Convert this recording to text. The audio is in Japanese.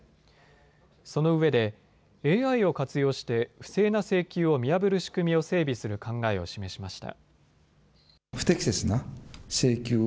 そのうえでＡＩを活用して不正な請求を見破る仕組みを整備する考えを示しました。